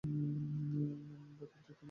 বেদান্তবাদী বলেন, মানুষ দেবতা অপেক্ষাও উচ্চে।